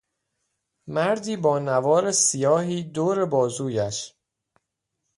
مردی با نوار سیاهی دور بازویش